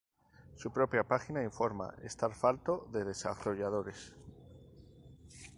Su propia página informa estar falto de desarrolladores.